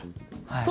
はい。